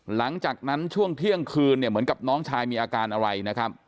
หลังจากนั้นช่วงเที่ยงคืนเนี่ยเหมือนกับน้องชายมีอาการอะไรนะครับ